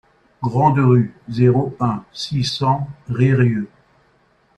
Grande Rue, zéro un, six cents Reyrieux